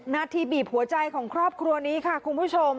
นาทีบีบหัวใจของครอบครัวนี้ค่ะคุณผู้ชม